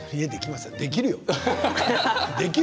できるよ。